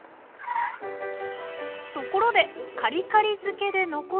ところでカリカリ漬けで残った種。